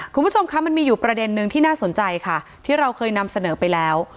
คุณผู้ชมคะมันมีอยู่ประเด็นนึงที่น่าสนใจค่ะที่เราเคยนำเสนอไปแล้ว